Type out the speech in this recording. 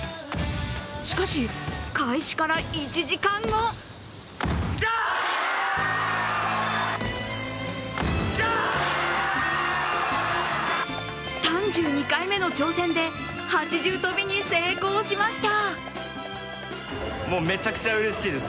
しかし、開始から１時間後３２回目の挑戦で８重跳びに成功しました！